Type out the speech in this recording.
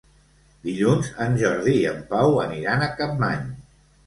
Dilluns en Jordi i en Pau aniran a Capmany.